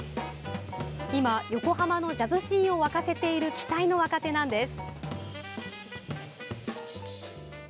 今、横浜のジャズシーンを沸かせている期待の若手なんです。